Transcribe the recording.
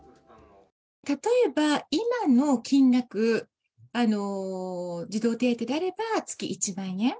例えば今の金額、児童手当であれば月１万円。